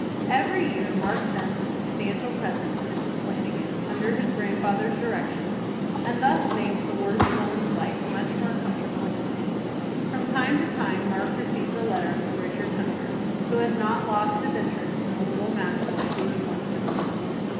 Every year Mark sends a substantial present to Mrs. Flanagan, under his grandfather's direction, and thus makes the worthy woman's life much more comfortable and easy. From time to time Mark receives a letter from Richard Hunter, who has not lost his interest in the little match boy who was once his ward.